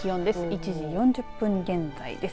１時４０分現在です。